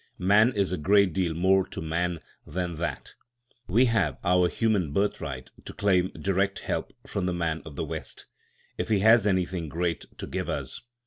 Man is a great deal more to man than that. We have our human birthright to claim direct help from the man of the West, if he has anything great to give us.